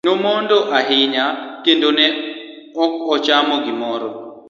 Nomondo ahinya kendo ne ko ochamo gimoro.